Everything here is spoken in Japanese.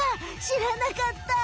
しらなかった！